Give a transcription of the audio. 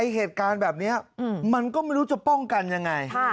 เหตุการณ์แบบนี้มันก็ไม่รู้จะป้องกันยังไง